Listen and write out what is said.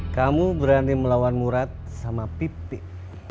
kamu berani melawan murad sama pipit